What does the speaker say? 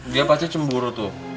dia pasti cemburu tuh